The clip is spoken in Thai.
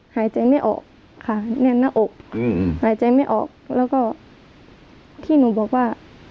หายใจไม่ออกค่ะแน่นหน้าอกหายใจไม่ออกแล้วก็ที่หนูบอกว่า